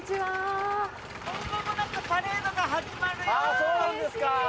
そうなんですか。